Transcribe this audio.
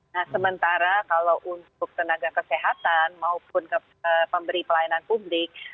nah sementara kalau untuk tenaga kesehatan maupun pemberi pelayanan publik